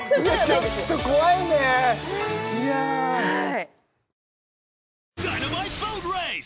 ちょっと怖いねいやさあ